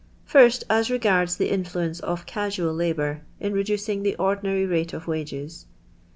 First as regards the influence of casual labour in reducing the ordinary rate of wages.